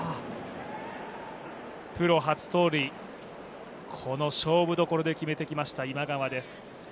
プロ初盗塁、この勝負どころで決めてきました、今川です。